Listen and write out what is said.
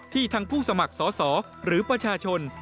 ทั้งผู้สมัครสอสอหรือประชาชน